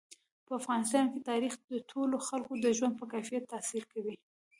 په افغانستان کې تاریخ د ټولو خلکو د ژوند په کیفیت تاثیر کوي.